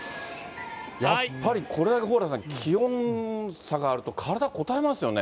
やっぱりこれだけ、蓬莱さん、気温差があると、体こたえますよね。